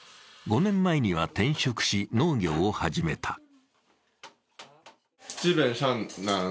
５年前には転職し、農業を始めた。